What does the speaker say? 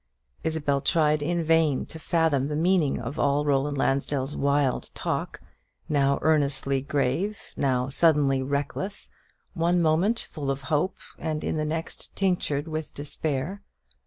Isabel tried in vain to fathom the meaning of all Roland Lansdell's wild talk now earnestly grave now suddenly reckless one moment full of hope, and in the next tinctured with despair.